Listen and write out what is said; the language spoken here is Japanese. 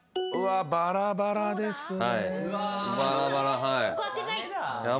バラバラですね。